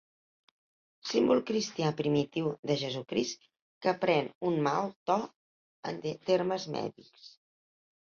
Símbol cristià primitiu de Jesucrist que pren un mal to en termes mèdics.